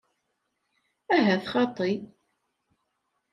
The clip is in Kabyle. Ahat xaṭi.